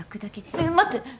え待って！